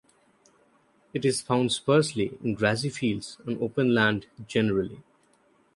It is found sparsely in grassy fields and open land generally.